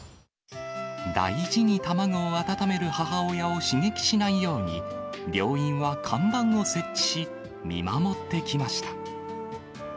大事に卵を温める母親を刺激しないように、病院は看板を設置し、見守ってきました。